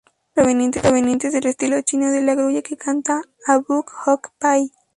Provenientes del estilo chino de "la grulla que canta" o 'bok hok pai'.